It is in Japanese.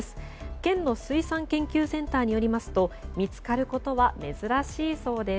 県の水産研究センターによりますと見つかることは珍しいそうです。